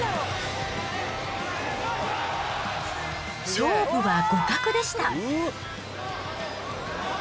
勝負は互角でした。